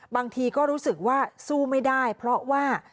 บางทีก็รู้สึกว่าสู้ไม่ได้เพราะว่า